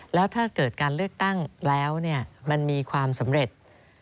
แล้วถ้าเกิดการเลือกตั้งแล้วมันมีความสำเร็จ